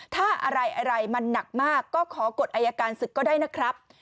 ถ้าอะไรมันหนักมากก็ขอกฎอายการศึกก็ได้นะครับ